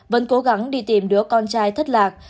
vẫn cố gắng đi tìm đứa con trai thất lạc